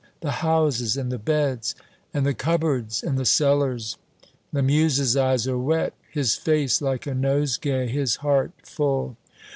The houses and the beds " "And the cupboards!" "And the cellars!" Lamuse's eyes are wet, his face like a nosegay, his heart full.